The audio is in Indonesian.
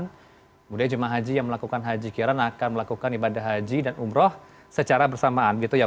kemudian jemaah haji yang melakukan haji kiron akan melakukan ibadah haji dan umroh secara bersamaan gitu ya